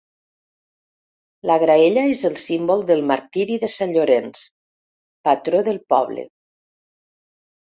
La graella és el símbol del martiri de sant Llorenç, patró del poble.